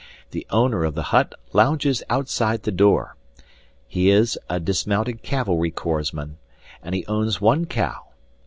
The owner of the hut lounges outside the door. He is a dismounted cavalry corps man, and he owns one cow.